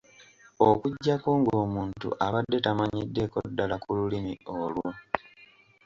Okuggyako ng'omuntu abadde tamanyiddeeko ddala ku lulumi olwo.